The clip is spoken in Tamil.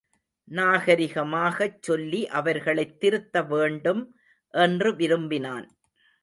நாகரிகமாகச் சொல்லி அவர்களைத் திருத்தவேண்டும் என்று விரும்பினான்.